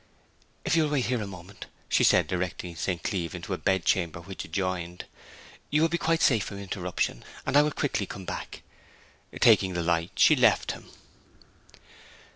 'If you will wait there a moment,' she said, directing St. Cleeve into a bedchamber which adjoined; 'you will be quite safe from interruption, and I will quickly come back.' Taking the light she left him.